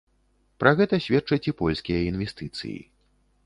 Пра гэта сведчаць і польскія інвестыцыі.